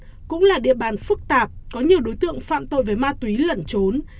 xã cao ngạn cũng là địa bàn phức tạp có nhiều đối tượng phạm tội về ma túy lẩn trốn